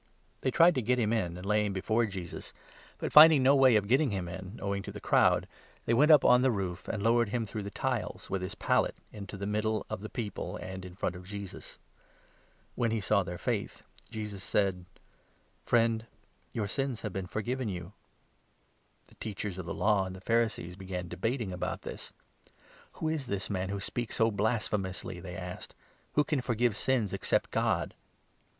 They tried to get him in and lay him before Jesus ; but, finding no way of getting him in, owing to the 19 crowd, they went up on the roof and lowered him through the tiles, with his pallet, into the middle of the people and in front of Jesus. When he saw their faith, Jesus said : 20 " Friend, your sins have been forgiven you." The Teachers of the Law and the Pharisees began debating 21 about this. "Who is this man who speaks so blasphemously?" they asked. " Who can forgive sins except God